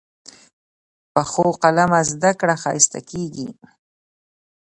پخو قلمه زده کړه ښایسته کېږي